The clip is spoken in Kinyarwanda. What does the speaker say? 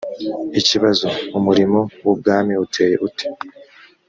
ikibazo umurimo w’ubwami uteye ute‽